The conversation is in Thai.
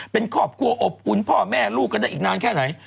เป็นครอบครัวอบอุ่นพ่อแม่ลูกกันได้อีกนานแค่ไหน